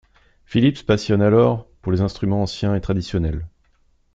Philippe se passionne alors pour les instruments anciens et traditionnels.